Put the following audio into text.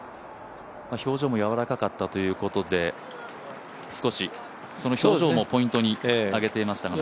表情も柔らかかったということで表情もポイントにあげていました。